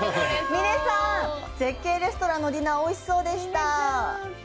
みねさん、絶景レストランのディナー、おいしそうでした。